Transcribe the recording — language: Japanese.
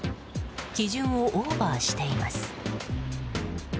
基準をオーバーしています。